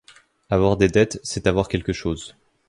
Avoir des dettes, c’est avoir quelque chose.